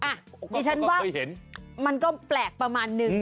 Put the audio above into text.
อ่ะถือฉะนั้นว่ามันก็แปลกประมาณนึง